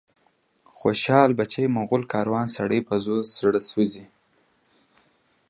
خوشال بچي، مغول کاروان، سړی په زړه وسوځي